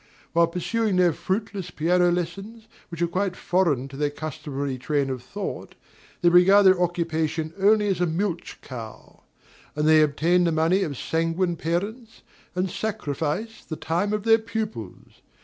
While pursuing their fruitless piano lessons, which are quite foreign to their customary train of thought, they regard their occupation only as a milch cow; and they obtain the money of sanguine parents, and sacrifice the time of their pupils.